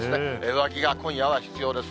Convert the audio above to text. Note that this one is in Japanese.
上着が今夜は必要です。